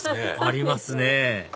ありますね